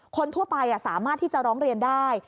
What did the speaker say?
คนทั่วไปสามารถที่จะร้องเรียนได้